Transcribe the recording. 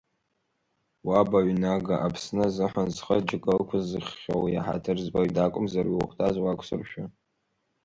Уаб ауаҩ нага, Аԥсны азыҳәан зхы аџьыка ықәызххьоу, иаҳаҭыр збоит акәымзар, иухәҭаз уақәсыршәон.